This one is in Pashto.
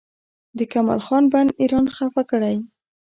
د کمال خان بند ایران خفه کړی؟